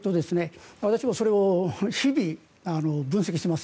私もそれを日々、分析しています。